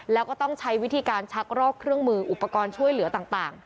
แล้วก็ต้องใช้วิธีการชักรอกเครื่องมืออุปกรณ์ช่วยเหลือต่าง